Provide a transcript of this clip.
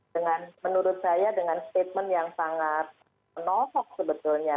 dengan menurut saya dengan statement yang sangat menosok sebetulnya